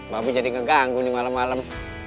babi jadi ngeganggu nih malem malem